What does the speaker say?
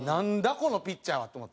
このピッチャーはと思って。